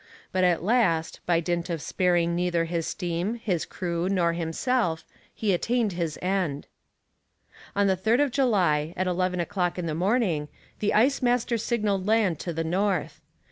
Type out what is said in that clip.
But at last, by dint of sparing neither his steam, his crew, nor himself, he attained his end. On the 3rd of July, at 11 o'clock in the morning, the ice master signalled land to the north.